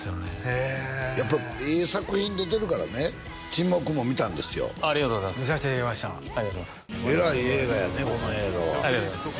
へえやっぱええ作品出てるからね「沈黙」も見たんですよああありがとうございます見させていただきましたえらい映画やねこの映画はありがとうございます